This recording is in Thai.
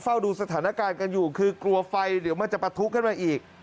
เฝ้าดูสถานการณ์กันอยู่คือกลัวไฟเดี๋ยวมันจะปะทุขึ้นมาอีก